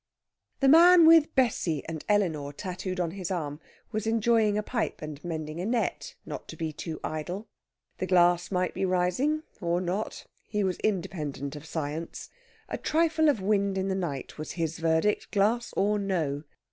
The man with "Bessie" and "Elinor" tattooed on his arm was enjoying a pipe and mending a net, not to be too idle. The glass might be rising or not. He was independent of Science. A trifle of wind in the night was his verdict, glass or no!